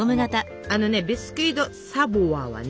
あのねビスキュイ・ド・サヴォワはね